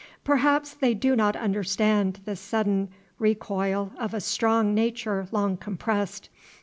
Perhaps they do not understand the sudden recoil of a strong nature long compressed.